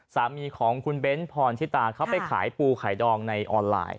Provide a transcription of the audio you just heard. สามีของคุณเบ้นพรชิตาเขาไปขายปูขายดองในออนไลน์